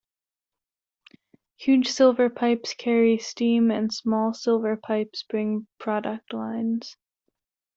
Huge silver pipes carry steam and small silver pipes bring product lines.